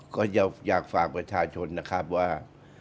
ก็จะอยากฝากประชาชนนะครับว่า